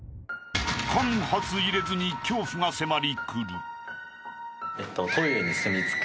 ［間髪入れずに恐怖が迫り来る］